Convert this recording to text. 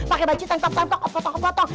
pake baju tengkap tengkap kotok kotok